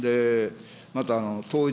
また統一、